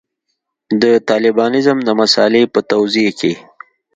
د طالبانیزم د مسألې په توضیح کې.